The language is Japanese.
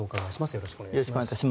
よろしくお願いします。